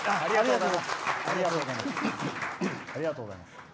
ありがとうございます。